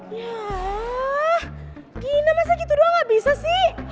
ya gina masa gitu doang gak bisa sih